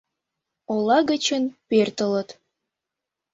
Ола гычын пӧртылыт